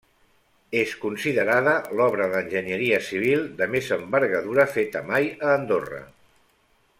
És considerada l'obra d'enginyeria civil de més envergadura feta mai a Andorra.